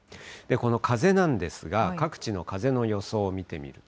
この風なんですが、各地の風の予想を見てみると。